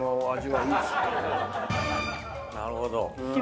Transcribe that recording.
なるほど。